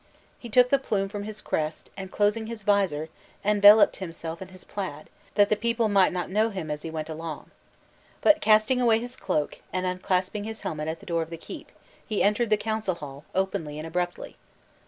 He took the plume from his crest, and closing his visor, enveloped himself in his plaid, that the people might not know him as he went along. But casting away his cloak, and unclasping his helmet at the door of the keep, he entered the council hall, openly and abruptly.